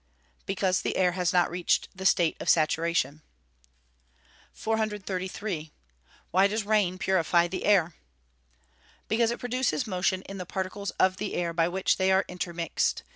_ Because the air has not reached the state of saturation. 433. Why does rain purify the air? Because it produces motion in the particles of the air, by which they are intermixed.